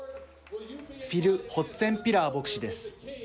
フィル・ホッツェンピラー牧師です。